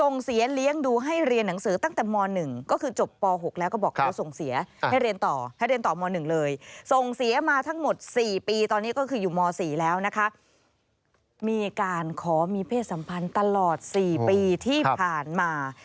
มีการขอมีเพศสัมพันธ์ตลอด๖ปีที่ผ่านมา